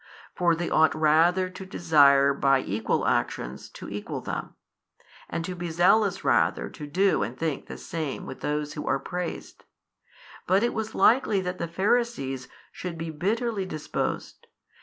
For they ought rather to desire by equal actions to equal them, and to be zealous rather to do and think the same with those who are praised. But it was likely that the Pharisees should be bitterly disposed.